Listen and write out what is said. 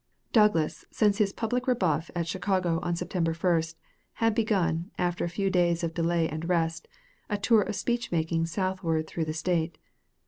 Douglas, since his public rebuff at Chicago on September 1, had begun, after a few days of delay and rest, a tour of speech making southward through the State.